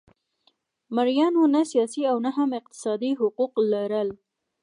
مریانو نه سیاسي او نه هم اقتصادي حقوق لرل.